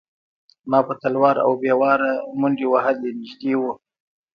ما په تلوار او بې واره منډې وهلې نږدې و.